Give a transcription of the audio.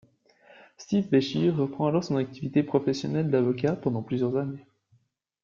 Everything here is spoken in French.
Steve Beshear reprend alors son activité professionnelle d'avocat pendant plusieurs années.